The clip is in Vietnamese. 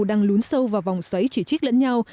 đang lún sâu vào vòng xoáy chỉ trích lẫn nhau